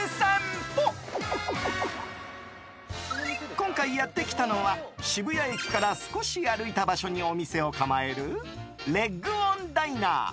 今回やってきたのは渋谷駅から少し歩いた場所にお店を構えるＲｅｇ‐ＯｎＤｉｎｅｒ。